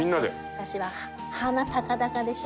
私は鼻高々でした。